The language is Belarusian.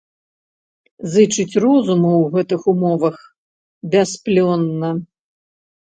Зычыць розуму ў гэтых умовах бясплённа.